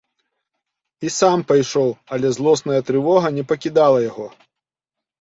І сам пайшоў, але злосная трывога не пакідала яго.